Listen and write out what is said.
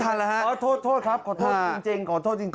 ขอโทษครับขอโทษจริง